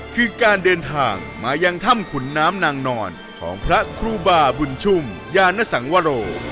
คือการเดินทางมายังถ้ำขุนน้ำนางนอนของพระครูบาบุญชุ่มยานสังวโร